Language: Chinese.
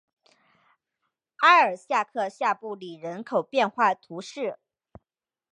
阿尔夏克下布里人口变化图示